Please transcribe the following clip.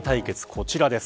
こちらです。